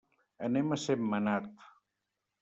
Anem a Sentmenat.